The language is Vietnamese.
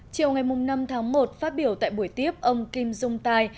chiều ngày năm tháng một phát biểu tại buổi tiếp ông kim dung tài